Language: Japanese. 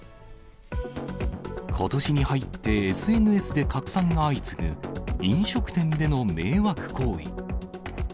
ことしに入って、ＳＮＳで拡散が相次ぐ飲食店での迷惑行為。